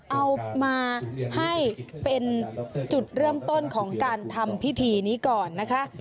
เอามาให้เป็นจุดเริ่มต้นของการทำพิธีนี้ก่อนนะคะ